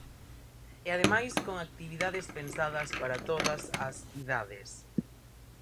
E ademais con actividades pensadas para todas as idades.